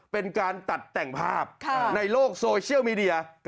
เป็นการตัดแต่งภาพในโลกโซเชียลมีเดีย